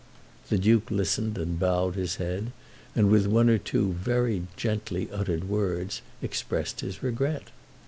The Duke listened and bowed his head, and with one or two very gently uttered words expressed his regret.